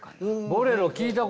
「ボレロ」